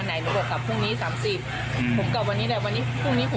มันถามหนูว่าพี่กลับมาไหนหนูบอกกลับพรุ่งนี้๓๐